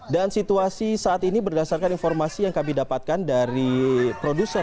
dan situasi saat ini berdasarkan informasi yang kami dapatkan dari produsen